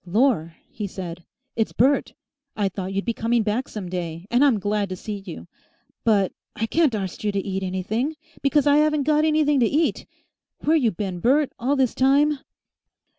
"Lor!" he said, "it's Bert. I thought you'd be coming back some day, and I'm glad to see you. But I carn't arst you to eat anything, because I 'aven't got anything to eat.... Where you been, Bert, all this time?"